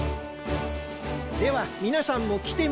ではみなさんもきてみましょう。